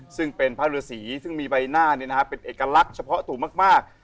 ซึ่งเป็นพระฤษีซึ่งมีใบหน้าเป็นเอกลักษณ์เฉพาะตัวมาก